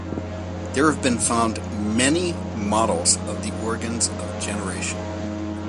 There have been found many models of the organs of generation.